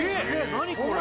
何これ？